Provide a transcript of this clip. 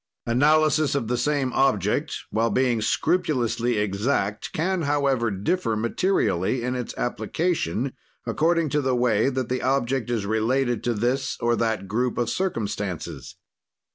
"Analysis of the same object, while being scrupulously exact, can, however, differ materially in its application, according to the way that the object is related to this or that group of circumstances.